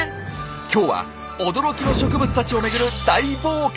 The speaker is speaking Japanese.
今日は驚きの植物たちを巡る大冒険！